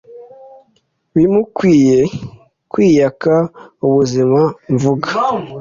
bimukwiye.kwiyaka ubuzima mvuga